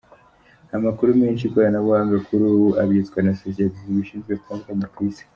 Amakuru menshi y’ikoranabuhanga kuri ubu abitswe na sosiyete zibishinzwe zitandukanye ku Isi.